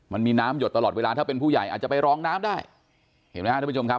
มันมีน้ำหยดตลอดเวลาถ้าเป็นผู้ใหญ่อาจจะไปร้องน้ำได้เห็นไหมฮะท่านผู้ชมครับ